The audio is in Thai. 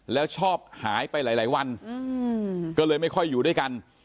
แล้วชอบหายไปหลายวันก็เลยไม่ค่อยอยู่ด้วยกัน